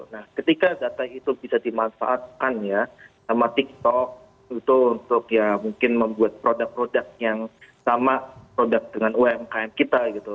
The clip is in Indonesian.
nah ketika data itu bisa dimanfaatkan ya sama tiktok itu untuk ya mungkin membuat produk produk yang sama produk dengan umkm kita gitu